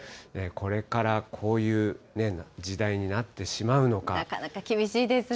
これからこういう時代になってしなかなか厳しいですね。